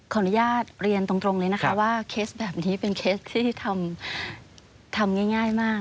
ขออนุญาตเรียนตรงเลยนะคะว่าเคสแบบนี้เป็นเคสที่ทำง่ายมาก